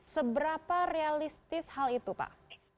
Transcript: seberapa realistis hal itu pak